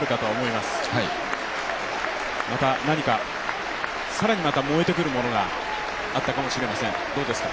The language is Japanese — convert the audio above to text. また何か更に燃えてくるものがあったかもしれません、どうですか。